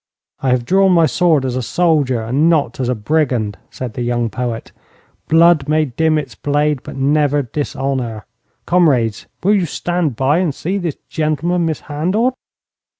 'I have drawn my sword as a soldier and not as a brigand,' said the young poet. 'Blood may dim its blade, but never dishonour. Comrades, will you stand by and see this gentleman mishandled?'